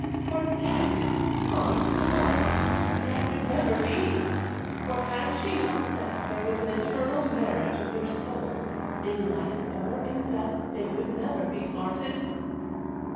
Forget! Ah God! that could never be. For had she not said there was an eternal marriage of their souls in life or in death they could never be parted?